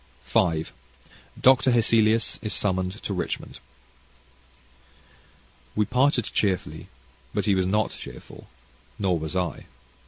CHAPTER V Dr. Hesselius is Summoned to Richmond We parted cheerfully, but he was not cheerful, nor was I.